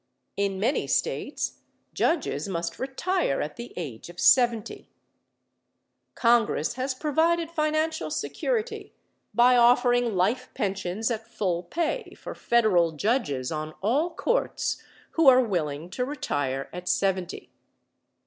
In many states judges must retire at the age of seventy. Congress has provided financial security by offering life pensions at full pay for federal judges on all courts who are willing to retire at seventy.